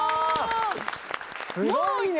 すごいね！